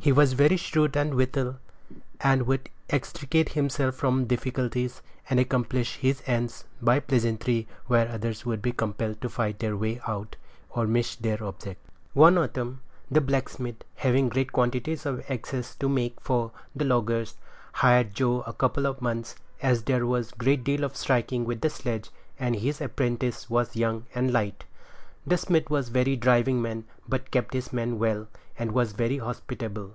He was very shrewd withal, and would extricate himself from difficulties, and accomplish his ends by pleasantry, where others would be compelled to fight their way out, or miss of their object. One autumn, the blacksmith, having great quantities of axes to make for the loggers, hired Joe a couple of months, as there was a great deal of striking with the sledge, and his apprentice was young and light. The smith was a very driving man, but kept his men well, and was very hospitable.